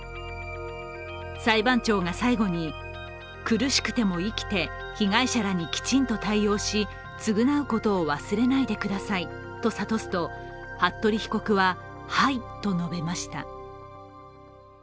裁判長が最後に、苦しくても生きて被害者らにきちんと対応し、償うことを忘れないでくださいと諭すと、服部被告は「はい」と述べました。